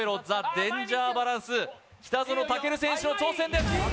デンジャーバランス北園丈琉選手の挑戦です